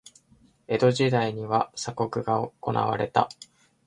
江戸時代には鎖国が行われた。